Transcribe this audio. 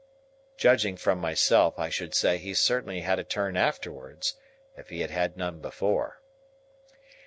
Judging from myself, I should say he certainly had a turn afterwards, if he had had none before.